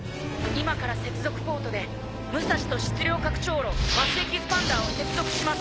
今から接続ポートでムサシと質量拡張炉泪・エキスパンダーを接続します。